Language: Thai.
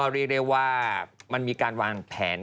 เรียกได้ว่ามันมีการวางแผน